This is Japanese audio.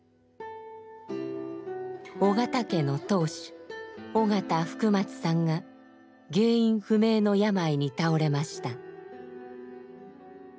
緒方家の当主緒方福松さんが原因不明の病に倒れました。